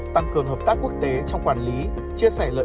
tăng cường hợp tác quốc tế trong quản lý chia sẻ lợi ích từ tài nguyên nước